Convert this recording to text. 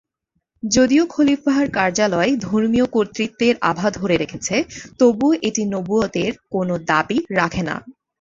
যদিও খলিফার কার্যালয় ধর্মীয় কর্তৃত্বের আভা ধরে রেখেছে, তবুও এটি নবুয়ত এর কোন দাবি রাখে না।